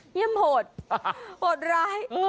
เยี่ยมโหดโหดร้าย